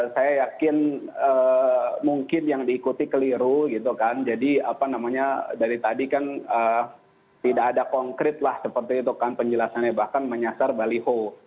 saya yakin mungkin yang diikuti keliru gitu kan jadi apa namanya dari tadi kan tidak ada konkret lah seperti itu kan penjelasannya bahkan menyasar baliho